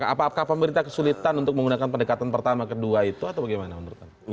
apakah pemerintah kesulitan untuk menggunakan pendekatan pertama kedua itu atau bagaimana menurut anda